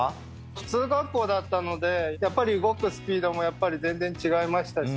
普通学校だったのでやっぱり動くスピードも全然違いましたし